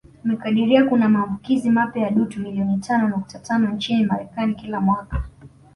Imekadiria kuna maambukizi mapya ya dutu milioni tano nukta tano nchini Marekani kila mwaka